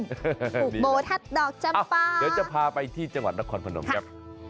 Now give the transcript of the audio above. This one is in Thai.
หุบโบดทัดดอกจับปาเดี๋ยวพาไปที่จังหวัดนครพนมครับ